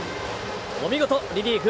お見事、リリーフ。